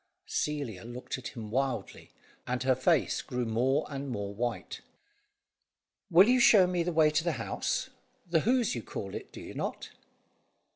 Celia looked at him wildly, and her face grew more and more white. "Will you show me the way to the house? The Hoze you call it, do you not?"